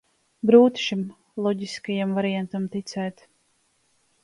Grūti šim loģiskajam variantam ticēt.